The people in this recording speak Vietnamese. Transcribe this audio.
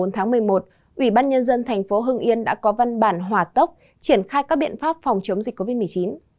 tháng một mươi một ủy ban nhân dân tp hưng yên đã có văn bản hỏa tốc triển khai các biện pháp phòng chống dịch covid một mươi chín